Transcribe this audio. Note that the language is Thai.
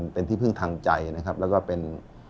เป็นที่พึ่งทางใจนะครับแล้วก็เป็น